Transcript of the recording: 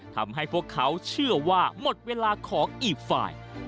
ทำให้พวกเขาเชื่อว่าหมดเวลาของอีกฝ่าย